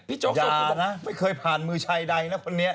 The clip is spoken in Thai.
พี่โจ๊กสูตรอย่านะไม่เคยผ่านมือชายใดนะคนนี้